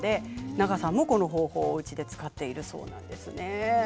永さんも、この方法をおうちで使っているそうです。